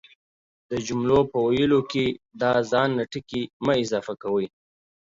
د جملو په ويلو کی دا ځان نه ټکي مه اضافه کوئ،